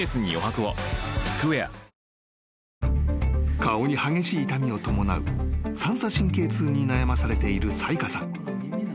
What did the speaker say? ［顔に激しい痛みを伴う三叉神経痛に悩まされている咲花さん。